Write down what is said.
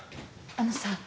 あのさ。